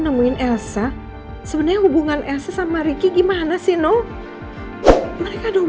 namun elsa sebenarnya hubungan elsa sama ricky gimana sih lol mereka rom